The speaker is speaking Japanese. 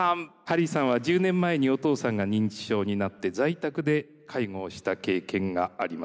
ハリーさんは１０年前にお父さんが認知症になって在宅で介護をした経験があります。